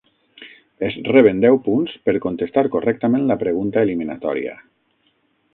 Es reben deu punts per contestar correctament la pregunta eliminatòria.